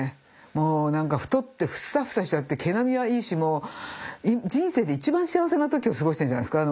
もう何か太ってフッサフサしちゃって毛並みはいいしもう人生で一番幸せな時を過ごしてるんじゃないですか？